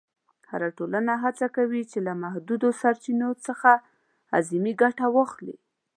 هره ټولنه هڅه کوي چې له محدودو سرچینو څخه اعظمي ګټه واخلي.